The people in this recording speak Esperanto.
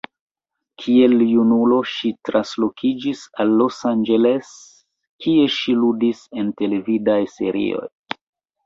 Kiel junulo, ŝi translokiĝis al Los Angeles, kie ŝi ludis en televidaj serioj.